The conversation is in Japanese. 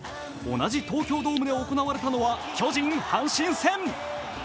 同じ東京ドームで行われたのは巨人−阪神戦。